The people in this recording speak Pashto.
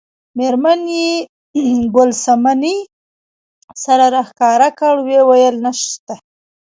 میرمن یې ګل صمنې سر راښکاره کړ وویل نشته.